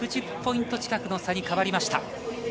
６０ポイント近くの差に変わりました。